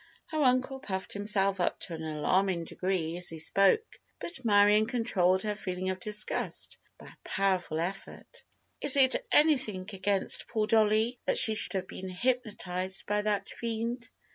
Her uncle puffed himself up to an alarming degree as he spoke, but Marion controlled her feeling of disgust by a powerful effort. "Is it anything against poor Dollie that she should have been hypnotized by that fiend?"